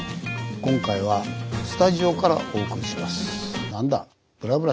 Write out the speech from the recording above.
今回はスタジオからお送りします。